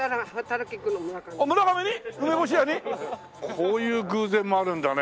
こういう偶然もあるんだね。